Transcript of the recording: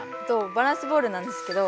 バランスボールなんですけど。